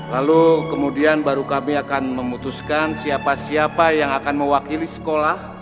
lalu kemudian baru kami akan memutuskan siapa siapa yang akan mewakili sekolah